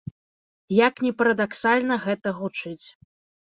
Як ні парадаксальна гэта гучыць.